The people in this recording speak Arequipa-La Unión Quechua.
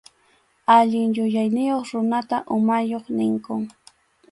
Allin yuyayniyuq runata umayuq ninkum.